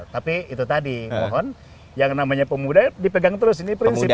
tapi itu tadi mohon yang namanya pemuda dipegang terus ini prinsipnya